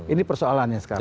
ini persoalannya sekarang